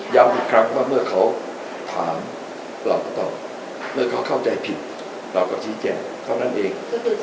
อีกครั้งว่าเมื่อเขาถามเราก็ตอบเมื่อเขาเข้าใจผิดเราก็ชี้แจงเท่านั้นเอง